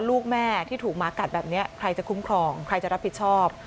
ลูกแม่ที่ถูกหมากัดแบบนี้ใครจะคุ้มครองใครจะรับผิดชอบ